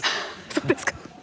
そうですか。